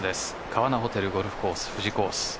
川奈ホテルゴルフコース富士コース。